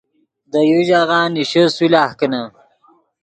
دے یو ژاغہ نیشے صلاح کینے